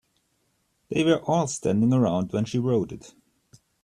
They were all standing around when she wrote it.